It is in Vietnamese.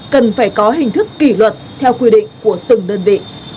cần phải có hình thức kỷ luật theo quy định của từng đơn vị